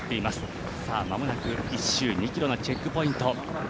まもなく１周２ｋｍのチェックポイント